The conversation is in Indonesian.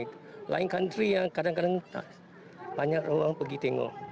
di lain negara yang kadang kadang banyak orang pergi lihat